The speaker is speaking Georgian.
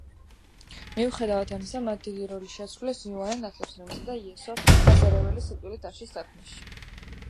მიუხედავად ამისა, მათ დიდი როლი შეასრულეს იოანე ნათლისმცემლისა და იესო ნაზარეველის სიკვდილით დასჯის საქმეში.